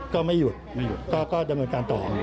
ก็ไม่หยุดก็ดำเนินการต่อ